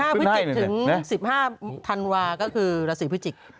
๑๕พฤจิถึง๑๕ทันวาค์ก็คือราศีพฤจิ